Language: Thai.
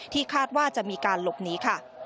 ที่คาดว่าจะมีการหลบหนี